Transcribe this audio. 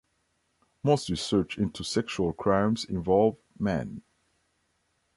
Most research into sexual crimes involve men.